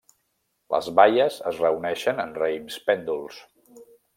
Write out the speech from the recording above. Les baies es reuneixen en raïms pènduls.